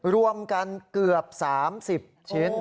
รวมกันเกือบ๓๐ชิ้น